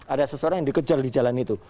ada seseorang yang dikejar di jalan itu